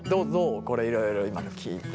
これいろいろ今聞いて。